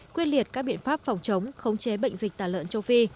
quyết liệt các biện pháp phòng chống khống chế bệnh dịch tả lợn châu phi